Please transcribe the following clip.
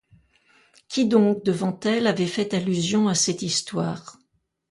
Qui donc, devant elle, avait fait allusion à cette histoire?